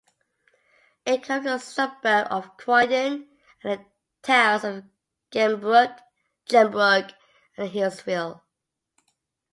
It covered the suburb of Croydon and the towns of Gembrook and Healesville.